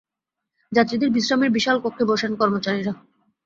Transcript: যাত্রীদের বিশ্রামের বিশাল কক্ষে বসেন কর্মচারীরা।